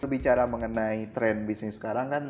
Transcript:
bicara mengenai tren bisnis sekarang kan